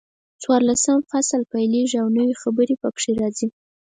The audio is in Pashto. څلورلسم فصل پیلېږي او نوي خبرې پکې راځي.